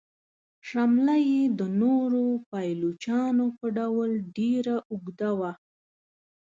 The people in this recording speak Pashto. شمله یې د نورو پایلوچانو په ډول ډیره اوږده وه.